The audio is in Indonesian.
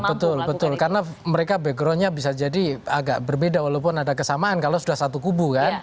betul betul karena mereka backgroundnya bisa jadi agak berbeda walaupun ada kesamaan kalau sudah satu kubu kan